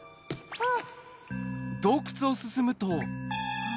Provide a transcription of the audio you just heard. あっ！